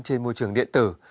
trên môi trường điện tử